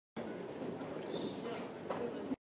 Hoowowre ɗon fiira, nde yaali kine fowru, nde yaalti. Kap!